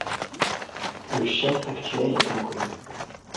Le chef actuel est inconnu.